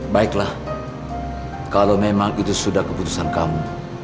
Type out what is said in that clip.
baiklah kalau memang itu sudah keputusan kamu